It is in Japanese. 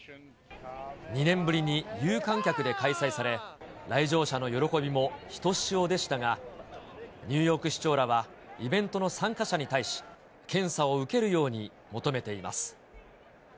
２年ぶりに有観客で開催され、来場者の喜びもひとしおでしたが、ニューヨーク市長らはイベントの参加者に対し、検査を受けるように求めています。